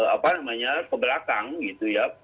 apa namanya ke belakang gitu ya